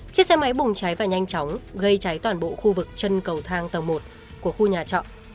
chiếc xe máy bùng cháy và nhanh chóng gây cháy toàn bộ khu vực chân cầu thang tầng một của khu nhà trọ